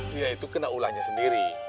dia itu kena ulahnya sendiri